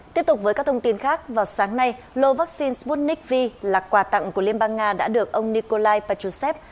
tiếp tục với các thông tin khác vào sáng nay lô vaccine sputnik v là quà tặng của liên bang nga đã được ông nikolai pachusev